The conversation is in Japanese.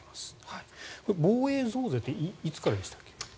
防衛増税っていつからでしたっけ？